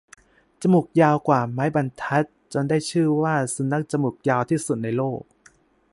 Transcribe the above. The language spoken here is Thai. จมูกยาวกว่าไม้บรรทัด จนได้ชื่อว่า สุนัขจมูกยาวที่สุดในโลก